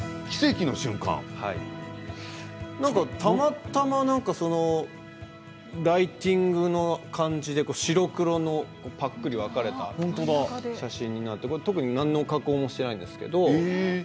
たまたまライティングな感じで白黒のぱっくり分かれた写真になって特に何の加工もしていないんですけど。